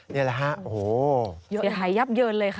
นี่แหละฮะโอ้โฮหายับเยินเลยค่ะ